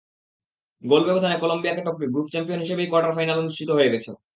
গোল ব্যবধানে কলম্বিয়াকে টপকে গ্রুপ চ্যাম্পিয়ন হিসেবেই কোয়ার্টার ফাইনালও নিশ্চিত হয়ে গেছে।